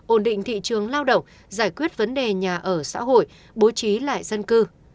ổn định thị trường lao động giải quyết vấn đề nhà ở xã hội bố trí lại dân cư